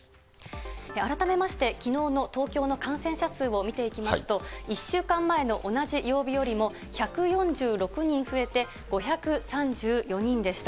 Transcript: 改めましてきのうの東京の感染者数を見ていきますと、１週間前の同じ曜日よりも、１４６人増えて５３４人でした。